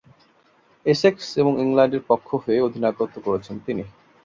Essex এবং ইংল্যান্ডের পক্ষ হয়ে অধিনায়কত্ব করেছেন তিনি।